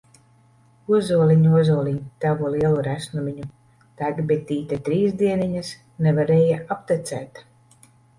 Ozoliņ, ozoliņ, Tavu lielu resnumiņu! Tek bitīte trīs dieniņas, Nevarēja aptecēt!